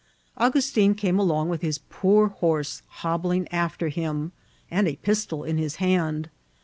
Augustin came along with his poor horse hobbling after him, and a pistol in his hand.